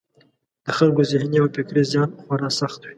د خلکو ذهني او فکري زیان خورا سخت وي.